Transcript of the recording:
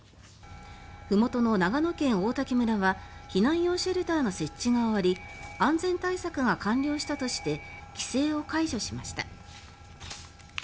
ふもとの長野県王滝村は避難用シェルターの設置が終わり安全対策が完了したとして規制を解除しました。